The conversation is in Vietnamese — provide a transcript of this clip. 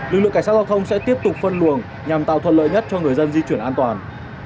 lực lượng cảnh sát giao thông sẽ tiếp tục phân luồng nhằm tạo thuận lợi nhất cho người dân di chuyển an toàn